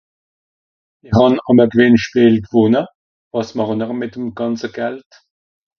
er hàn àm à gewìnnschpeel g'wònne wàs màche nr mìt'em gànze Gald